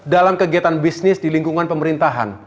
dalam kegiatan bisnis di lingkungan pemerintahan